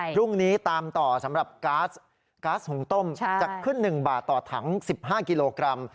พรุ่งนี้ตามต่อสำหรับก๊าซหุงต้มจะขึ้น๑บาทต่อถัง๑๕กิโลกรัม